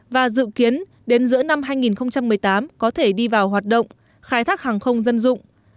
và dự kiến đến giữa năm hai nghìn một mươi tám có thể đi vào hoạt động khai thác hàng không dân dụng